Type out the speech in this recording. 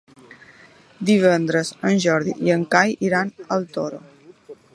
Divendres en Jordi i en Cai iran al Toro.